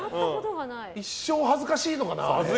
一生恥ずかしいのかな。